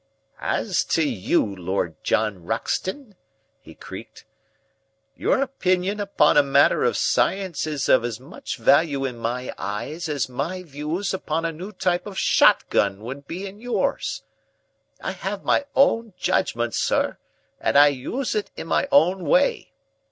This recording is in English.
"As to you, Lord John Roxton," he creaked, "your opinion upon a matter of science is of as much value in my eyes as my views upon a new type of shot gun would be in yours. I have my own judgment, sir, and I use it in my own way.